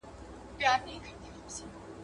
• ژړ سپى د چغال ورور دئ.